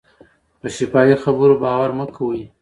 په شفاهي خبرو باور مه کوئ.